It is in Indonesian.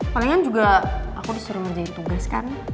palingan juga aku disuruh ngerjain tugas kan